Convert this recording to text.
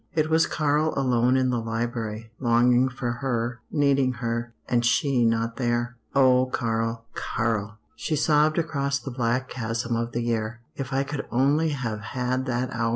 It was Karl alone in the library, longing for her, needing her and she not there. "Oh, Karl Karl!" she sobbed across the black chasm of the year "if I could only have had that hour!"